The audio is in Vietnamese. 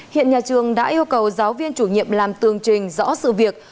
hiện nhà trường đã yêu cầu giáo viên chủ nhiệm làm tường trình rõ sự việc